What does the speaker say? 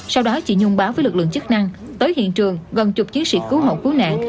sau đó chị nhung báo với lực lượng chức năng tới hiện trường gần chục chiến sĩ cứu hộ cứu nạn